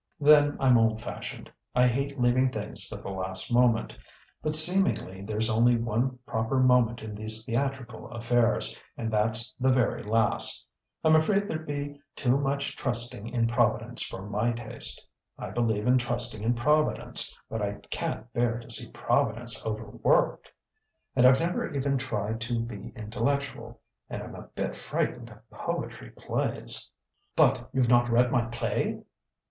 Then I'm old fashioned. I hate leaving things to the last moment; but seemingly there's only one proper moment in these theatrical affairs, and that's the very last. I'm afraid there'd be too much trusting in Providence for my taste. I believe in trusting in Providence, but I can't bear to see Providence overworked. And I've never even tried to be intellectual, and I'm a bit frightened of poetry plays " "But you've not read my play!"